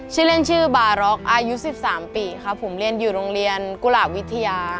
ชื่อเล่นชื่อบาร็อกอายุ๑๓ปีครับผมเรียนอยู่โรงเรียนกุหลาบวิทยา